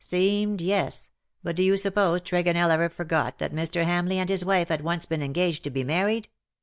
^' Seemed ; yes. But do you suppose Tregonell ever forgot that Mr. Hamleigh and his wife had once been engaged to be married